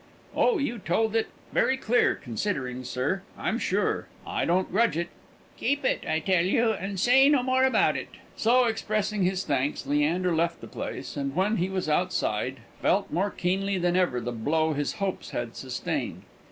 "Oh, you told it very clear, considering, sir, I'm sure! I don't grudge it." "Keep it, I tell you, and say no more about it." So, expressing his thanks, Leander left the place; and, when he was outside, felt more keenly than ever the blow his hopes had sustained.